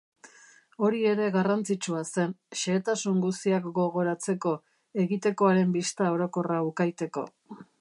Hori ere garrantzitsua zen, xehetasun guziak gogoratzeko, egitekoaren bista orokora ukaiteko.